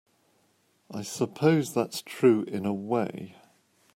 I suppose that's true in a way.